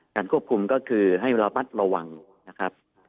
ควบคุมก็คือให้ระมัดระวังนะครับ